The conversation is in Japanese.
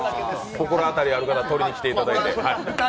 心当たりある方、取りに来ていただいて。